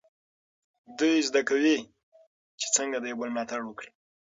دوی زده کوي چې څنګه د یو بل ملاتړ وکړي.